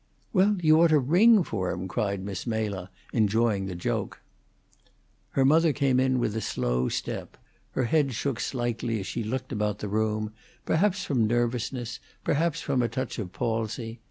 "Well, you ought to ring for him!" cried Miss Mela, enjoying the joke. Her mother came in with a slow step; her head shook slightly as she looked about the room, perhaps from nervousness, perhaps from a touch of palsy.